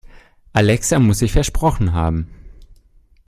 Alexa muss sich versprochen haben.